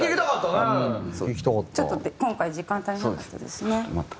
ちょっと今回時間足りなかったですね。